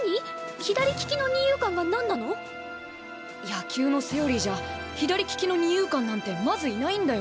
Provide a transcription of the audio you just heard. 左利きの二遊間が何なの⁉野球のセオリーじゃ左利きの二遊間なんてまずいないんだよ！